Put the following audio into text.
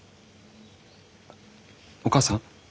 お母さん？